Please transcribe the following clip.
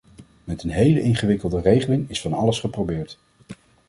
Met een hele ingewikkelde regeling is van alles geprobeerd.